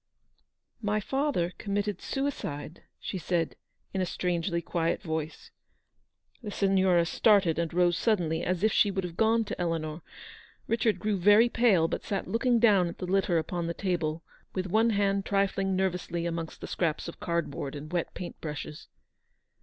" My father committed suicide \" she said, in a strangely quiet voice. The Signora started and rose suddenly, as if M 2 164 Eleanor's victory. she would have gone to Eleanor. Richard grew very pale, but sat looking down at the litter upon the table, with one hand trifling nervously amongst the scraps of cardboard and wet paint brushes.